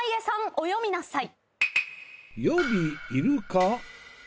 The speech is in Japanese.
お詠みなさい。